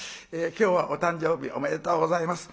今日はお誕生日おめでとうございます。